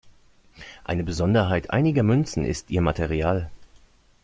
Eine Besonderheit einiger Münzen ist ihr Material.